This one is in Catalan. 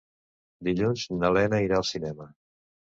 Dilluns na Lena irà al cinema.